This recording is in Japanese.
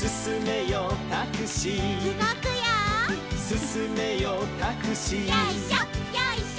「すすめよタクシー」よいしょよいしょ。